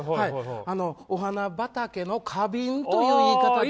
お花畑も花瓶という言い方で。